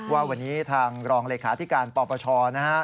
ว่าวันนี้ทางรองเลขาธิการปปชนะฮะ